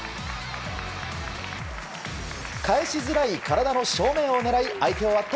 返しづらい体の正面を狙い相手を圧倒。